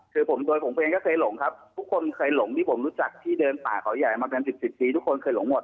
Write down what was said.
คือผมโดยผมเองก็เคยหลงครับทุกคนเคยหลงที่ผมรู้จักที่เดินป่าเขาใหญ่มาเป็นสิบสิบปีทุกคนเคยหลงหมด